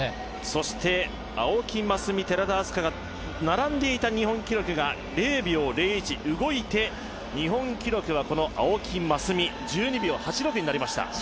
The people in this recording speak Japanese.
そして、青木益未寺田明日香が並んでいた日本記録が０秒０１動いて日本記録はこの青木益未、１２秒８６となりました。